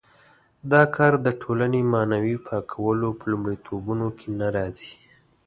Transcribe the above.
دا کار د ټولنې معنوي پاکولو په لومړیتوبونو کې نه راځي.